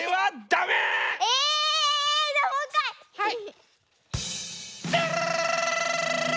はい！